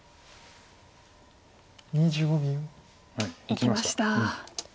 いきました。